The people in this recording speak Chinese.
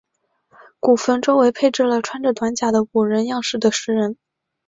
古坟周围配置了穿着短甲的武人样式的石人。